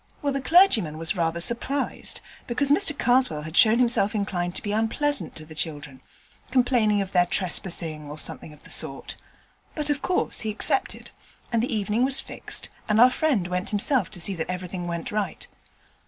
Well, the clergyman was rather surprised, because Mr Karswell had shown himself inclined to be unpleasant to the children complaining of their trespassing, or something of the sort; but of course he accepted, and the evening was fixed, and our friend went himself to see that everything went right.